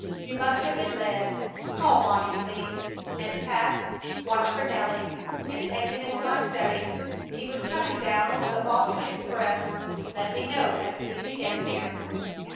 You must have been led! Call Bonnie, please. And, Pat, watch for Nelly and take him into my study. He was coming down on the Boston express. Let me know as soon as he gets here."